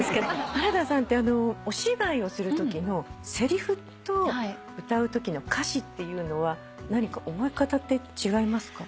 原田さんってお芝居をするときのせりふと歌うときの歌詞っていうのは何か覚え方って違いますか？